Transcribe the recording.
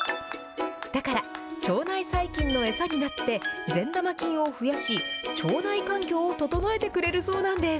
だから、腸内細菌の餌になって、善玉菌を増やし、腸内環境を整えてくれるそうなんです。